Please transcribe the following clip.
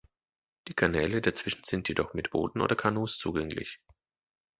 Die Kanäle dazwischen sind jedoch mit Booten oder Kanus zugänglich.